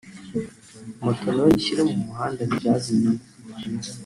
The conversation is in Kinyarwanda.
moto nayo nyishyire mu muhanda nyibyaze inyungu”